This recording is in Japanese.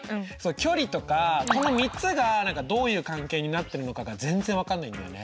「距離」とかこの３つが何かどういう関係になってるのかが全然分かんないんだよね。